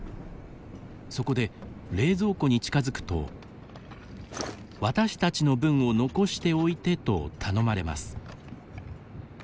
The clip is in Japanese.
そこで、冷蔵庫に近づくと「私たちの分を残しておいて」と頼まれます。